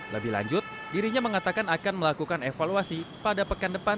lebih lanjut dirinya mengatakan akan melakukan evaluasi pada pekan depan